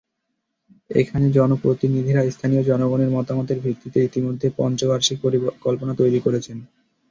এখানে জনপ্রতিনিধিরা স্থানীয় জনগণের মতামতের ভিত্তিতে ইতিমধ্যে পঞ্চবার্ষিক পরিকল্পনা তৈরি করেছেন।